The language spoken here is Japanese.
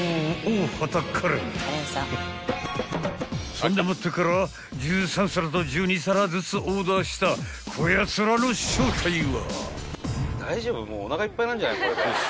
［そんでもってから１３皿と１２皿ずつオーダーしたこやつらの正体は？］